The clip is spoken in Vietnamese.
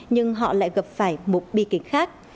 nhưng họ lại gặp phải một bi kinh khác